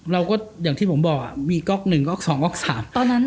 เราก็อย่างที่ผมบอกมีก๊อก๑ก๊อก๒ก๊อก๓